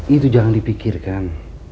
itu jangan dipikirkan